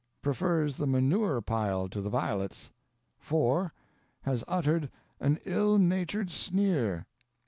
Prefers the manure pile to the violets. 4. Has uttered "an ill natured sneer."